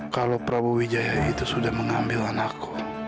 kalau prabowo wijaya itu sudah mengambil anakku